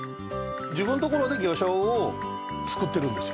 自分ところで魚醤を作ってるんですよ